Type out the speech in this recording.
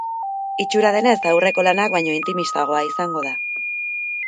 Itxura denez, aurreko lanak baino intimistagoa izango da.